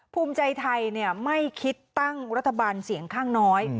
ภูมิใจไทยไม่คิดตั้งรัฐบาลเสียงข้างน้อย